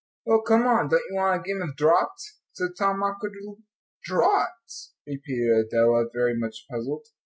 "Well, come on, don't you want a game of draughts?" said Tom, awkwardly. "Draughts?" repeated Adela, very much puzzled.